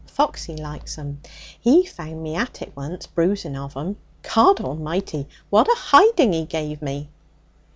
Foxy likes 'em. He found me at it once bruising of 'em. God a'mighty! what a hiding he give me!'